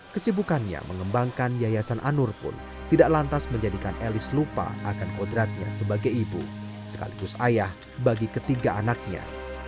kesibukannya mengembangkan yayasan anur pun tidak lantas menjadikan elis lupa akan kodratnya sebagai ibu sekaligus ayah bagi ketiga anaknya